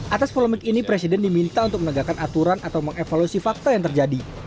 atas polemik ini presiden diminta untuk menegakkan aturan atau mengevaluasi fakta yang terjadi